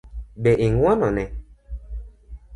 Be ing'uono ne?